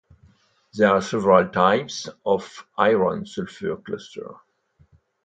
There are several types of iron-sulfur cluster.